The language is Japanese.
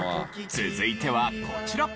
続いてはこちら。